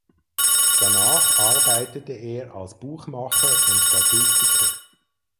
Danach arbeitete er als Buchmacher und Statistiker.